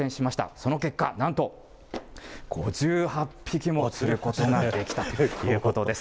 その結果、なんと５８匹も釣ることができたということです。